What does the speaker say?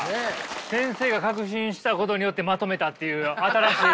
先生が確信したことによってまとめたっていう新しい。